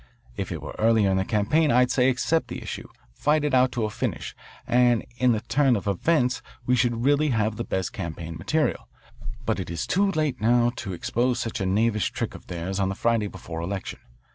If it were earlier in the campaign I'd say accept the issue, fight it out to a finish, and in the turn of events we should really have the best campaign material. But it is too late now to expose such a knavish trick of theirs on the Friday before election.